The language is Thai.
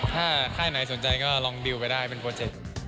ถ้าค่ายไหนสนใจก็ลองดิวไปได้เป็นโปรเจค